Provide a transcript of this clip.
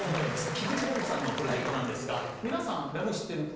菊池桃子さんのプロジェクトなんですが皆さんラ・ムー知ってる方？